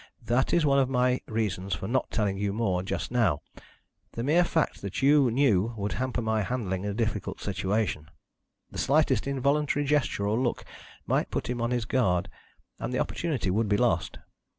That is one of my reasons for not telling you more just now. The mere fact that you knew would hamper my handling a difficult situation. The slightest involuntary gesture or look might put him on his guard, and the opportunity would be lost.